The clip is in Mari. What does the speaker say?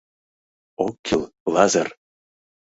— Ок кӱл Лазыр!